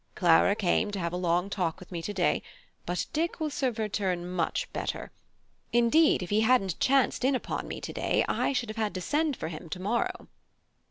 Clara came to have a long talk with me to day, but Dick will serve her turn much better. Indeed, if he hadn't chanced in upon me to day I should have had to have sent for him to morrow."